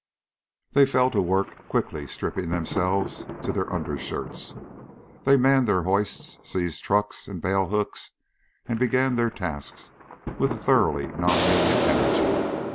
They fell to work quickly, stripping themselves to their undershirts; they manned the hoists, seized trucks and bale hooks, and began their tasks with a thoroughly non union energy.